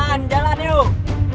aman jalan yuk